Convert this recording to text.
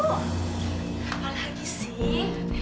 apa lagi sih